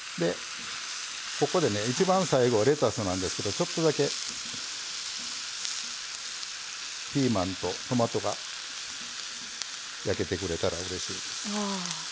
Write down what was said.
ここで、一番最後レタスなんですけどちょっとだけピーマンとトマトが焼けてくれたらうれしい。